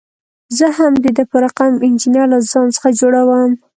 زه هم د ده په رقم انجینر له ځان څخه جوړوم.